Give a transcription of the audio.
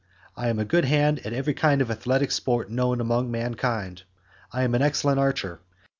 I am a good hand at every kind of athletic sport known among mankind. I am an excellent archer.